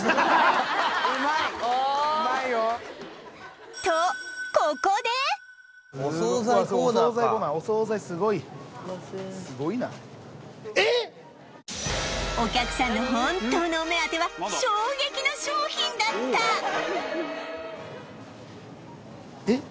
うまいよお惣菜コーナーかお惣菜コーナーすごいなお客さんの本当のお目当ては衝撃の商品だったえっ？